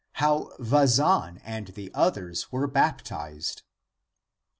how vazan and the others were baptized.